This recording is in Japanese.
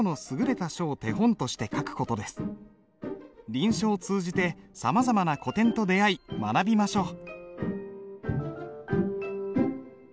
臨書を通じてさまざまな古典と出会い学びましょう。